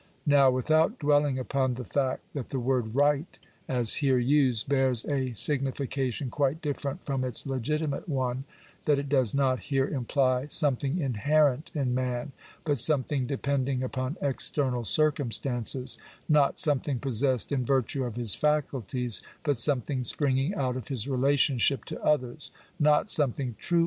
Now, without dwelling upon the fact that the word right as here^ used, bears a signification quite different from its legitimate: one — that it does not here imply something inherent in man,i but something depending upon external circumstances — notj> something possessed in virtue of his faculties, but something springing out of his relationship to others — not something true Digitized by VjOOQIC 314 POOR LAWS.